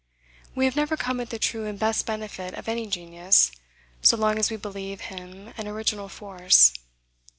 We have never come at the true and best benefit of any genius, so long as we believe him an original force.